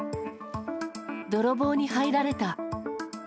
泥棒に入られた。